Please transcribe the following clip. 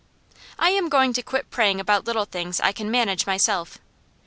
I am going to quit praying about little things I can manage myself.